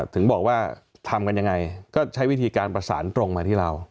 ถึงบอกว่าทำกันยังไงก็ใช้วิธีการประสานตรงมาที่เรา